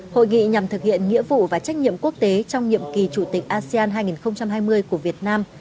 hội nghị nhằm thực hiện nghĩa vụ và trách nhiệm quốc tế trong nhiệm kỳ chủ tịch asean hai nghìn hai mươi của việt nam